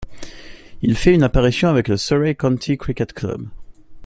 Il fait une apparition avec le Surrey County Cricket Club.